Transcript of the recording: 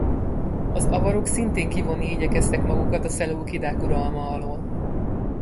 Az avarok szintén kivonni igyekeztek magukat a Szeleukidák uralma alól.